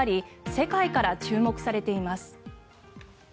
世界から注目されています。